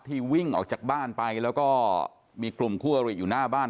วิ่งออกจากบ้านไปแล้วก็มีกลุ่มคู่อริอยู่หน้าบ้าน